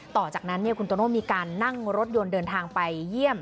ต่อจากนั้นคุณโตโน่มีการนั่งรถยนต์เดินทางไปเยี่ยม